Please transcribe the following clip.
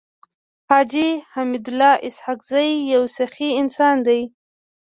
حاجي حميدالله اسحق زی يو سخي انسان دی.